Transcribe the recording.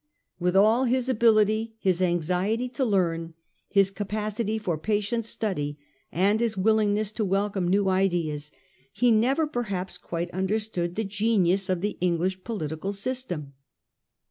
With all his ability, his anxiety to learn, his capacity for patient study, and his willingness to welcome new ideas, he never perhaps quite understood the genius of the English political system.